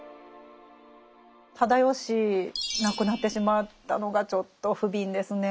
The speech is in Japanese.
直義亡くなってしまったのがちょっと不憫ですね。